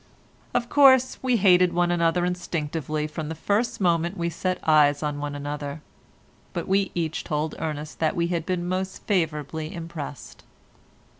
Of course we hated one another instinctively from the first moment we set eyes on one another, but we each told Ernest that we had been most favourably impressed.